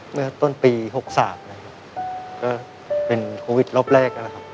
เมื่อต้นปี๖๓นะครับก็เป็นโควิดรอบแรกนะครับ